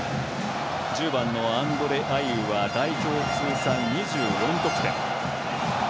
１０番のアンドレ・アイウは代表通算２４得点。